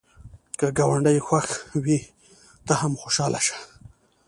که ګاونډی خوښ وي، ته هم خوشحاله شه